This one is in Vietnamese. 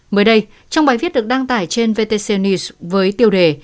mới đây trong bài viết được đăng tải trên vtc news với tiêu đề